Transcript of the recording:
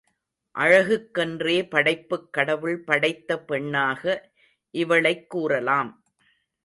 அழகுக்கென்றே படைப்புக் கடவுள் படைத்த பெண்ணாக இவளைக் கூறலாம்.